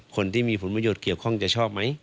คนที่มีผลประโยชน์เกี่ยวข้องจะชอบไหม